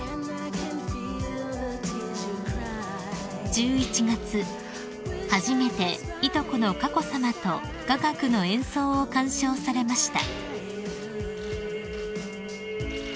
［１１月初めていとこの佳子さまと雅楽の演奏を鑑賞されました］